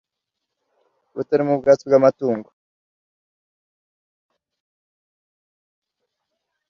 butarimo ubwatsi bw amatungo